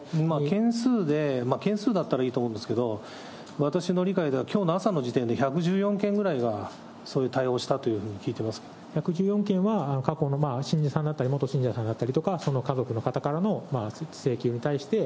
件数で、件数だったらいいと思うんですけど、私の理解ではきょうの朝の時点で１１４件ぐらいは、そういう対応をしたというふ１１４件は過去の信者さんだったり、元信者さんだったりとか、その家族の方からの請求に対して。